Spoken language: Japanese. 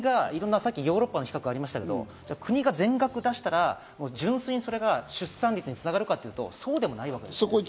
さっきヨーロッパの比較とかありましたけど国が全額出したら、純粋にそれが出産率に繋がるかというとそうでもないわけですよね。